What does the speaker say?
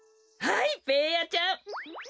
はいベーヤちゃん。